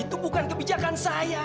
itu bukan kebijakan saya